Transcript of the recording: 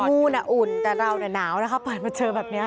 มู้อุ่นดาวนาวเปิดประเภทมันเชิญแบบนี้